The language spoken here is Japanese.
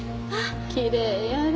きれいやろ？